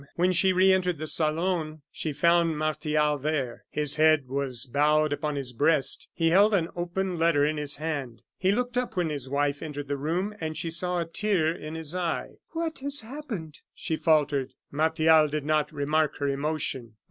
When she re entered the salon, she found Martial there. His head was bowed upon his breast; he held an open letter in his hand. He looked up when his wife entered the room, and she saw a tear in his eye. "What has happened?" she faltered. Martial did not remark her emotion.